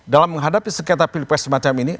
dalam menghadapi sengketa pilpres semacam ini